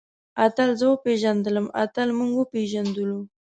اتل زه وپېژندلم. اتل موږ وپېژندلو.